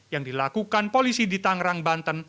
yang dilakukan polisi di tangerang banten